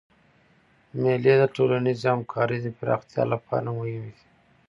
مېلې د ټولنیزي همکارۍ د پراختیا له پاره مهمي دي.